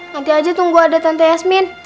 nanti aja tunggu ada tante yasmin